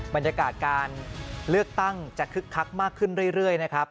บรรยากาศการเลือกตั้งจะคึกคักมากขึ้นเรื่อยนะครับ